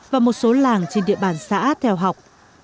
và một số làng trên địa bàn xã theo học